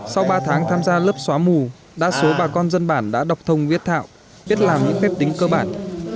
sau ba tháng tham gia lớp xóa mù đa số bà con dân bản đã đọc thông viết thạo biết làm những phép tính cơ bản